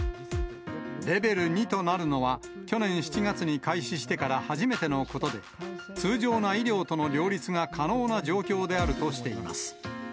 レベル２となるのは、去年７月に開始してから初めてのことで、通常な医療との両立が可能な状況であるとしています。